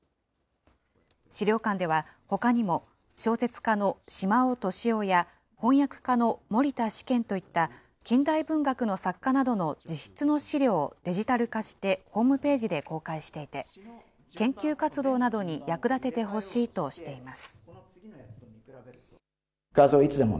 資料館ではほかにも、小説家の島尾敏雄や翻訳家の森田思軒といった近代文学の作家などの自筆の資料をデジタル化して、ホームページで公開していて、研究活動などに役立ててほしいとしています。